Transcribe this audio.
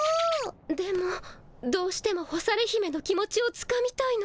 でもどうしても干され姫の気持ちをつかみたいの。